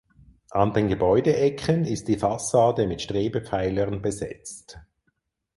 An den Gebäudeecken ist die Fassade mit Strebepfeilern besetzt.